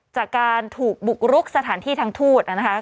จากการถูกบุกรุกสถานที่ทางทูตนะคะ